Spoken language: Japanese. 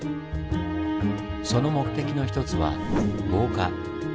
その目的の一つは防火。